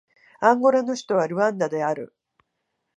アンゴラの首都はルアンダである